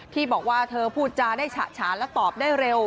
ที่บอกว่าเธอพูดจาได้ฉะฉานและตอบได้เร็ว